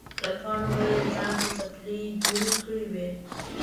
له پاڼو به یې ځان ته څپلۍ جوړې کړې وې.